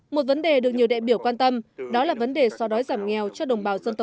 một vấn đề được nhiều đại biểu quan tâm đó là vấn đề so đối giải quyết